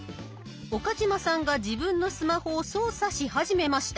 岡嶋さんが自分のスマホを操作し始めました。